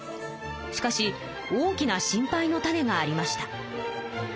しかし大きな心配の種がありました。